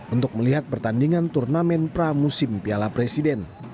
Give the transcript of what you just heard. untuk melihat pertandingan turnamen pramusim piala presiden